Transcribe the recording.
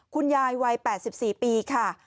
คุณยายวัย๘๔ปีค่ะ